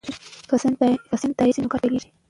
که سند تایید شي نو کار پیلیږي.